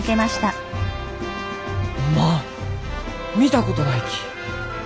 おまん見たことないき。